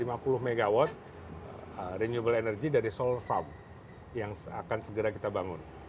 itu kan lima puluh megawatt renewable energy dari solar farm yang akan segera kita bangun